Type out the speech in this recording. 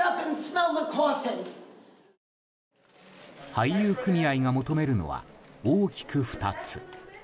俳優組合が求めるのは大きく２つ。